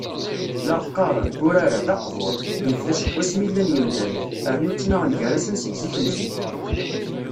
La aɣ-qqaren, urar-a, d aqbur: yebda seg wasmi llan yimdanen, rnu ttnaɣen gar-asen seg zik n zik.